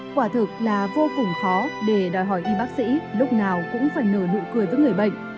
quả thực là vô cùng khó để đòi hỏi y bác sĩ lúc nào cũng phải nở nụ cười với người bệnh